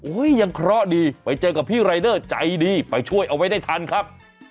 ยังเคราะห์ดีไปเจอกับพี่รายเดอร์ใจดีไปช่วยเอาไว้ได้ทันครับ